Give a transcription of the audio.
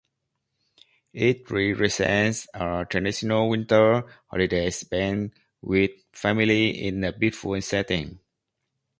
It represents a traditional winter holiday spent with family in a peaceful setting.